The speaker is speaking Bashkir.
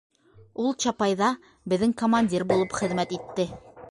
Ул Чапайҙа беҙҙең командир булып хеҙмәт итте.